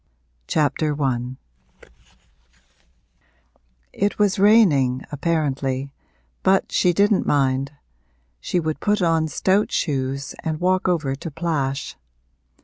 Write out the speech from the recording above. A LONDON LIFE I It was raining, apparently, but she didn't mind she would put on stout shoes and walk over to Plash.